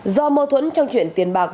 do mâu thuẫn trong chuyện tiền bạc